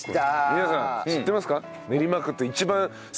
皆さん知ってますか？